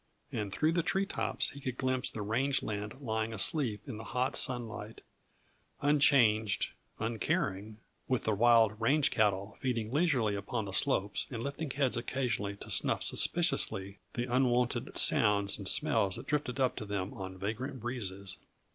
And through the tree tops he could glimpse the range land lying asleep in the hot sunlight, unchanged, uncaring, with the wild range cattle feeding leisurely upon the slopes and lifting heads occasionally to snuff suspiciously the unwonted sounds and smells that drifted up to them on vagrant breezes.